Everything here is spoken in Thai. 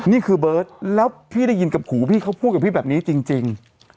นี่คือเบิร์ตแล้วพี่ได้ยินกับหูพี่เขาพูดกับพี่แบบนี้จริง